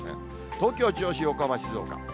東京、銚子、横浜、静岡。